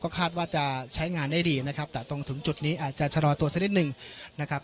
คาดว่าจะใช้งานได้ดีนะครับแต่ตรงถึงจุดนี้อาจจะชะลอตัวสักนิดหนึ่งนะครับ